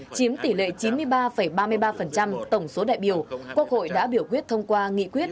chiếm tỷ lệ chín mươi ba ba mươi ba tổng số đại biểu quốc hội đã biểu quyết thông qua nghị quyết